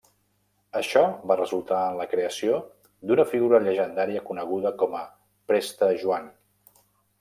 Això va resultar en la creació d'una figura llegendària coneguda com a Preste Joan.